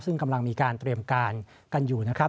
ซึ่งกำลังมีการเตรียมการกันอยู่นะครับ